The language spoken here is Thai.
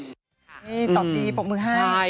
นี่ตอบดีปรบมือให้